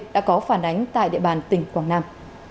đã có phản ánh tại địa bàn tỉnh quảng nam